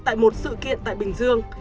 tại một sự kiện tại bình dương